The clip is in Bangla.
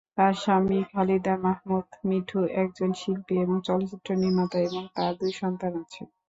তার স্বামী খালিদ মাহমুদ মিঠু একজন শিল্পী এবং চলচ্চিত্র নির্মাতা এবং তার দুই সন্তান আছে।